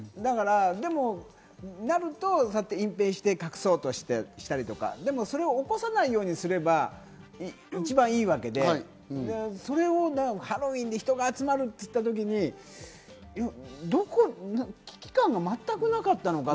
でもそうなると、隠蔽して隠そうとしたり、起こさないようにすれば一番いいわけで、ハロウィーンで人が集まるって時に危機感が全くなかったのか。